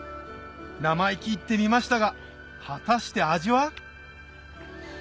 生意気言ってみましたが果たして味は？